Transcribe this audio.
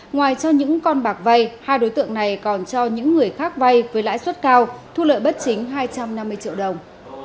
ngoài cho những con bạc vay hai đối tượng này còn cho những người khác vay với lãi suất cao thu lợi bất chính hai trăm năm mươi triệu đồng